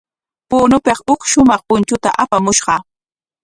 Punopik huk shumaq punchuta apamushqa.